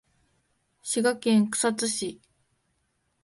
滋賀県草津市